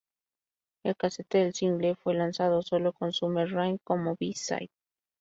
El casete del single fue lanzado sólo con "Summer Rain" como B-side.